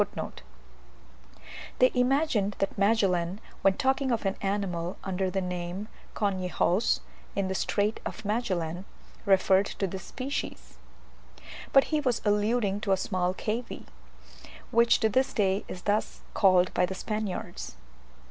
They imagined that Magellan, when talking of an animal under the name of "conejos" in the Strait of Magellan, referred to this species; but he was alluding to a small cavy, which to this day is thus called by the Spaniards.